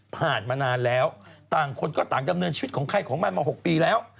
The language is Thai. ผ่านมานานแล้วต่างคนก็ต่างดำเนินชีวิตของใครของมันมา๖ปีแล้ว